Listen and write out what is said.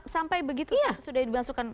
sampai begitu sudah dimasukkan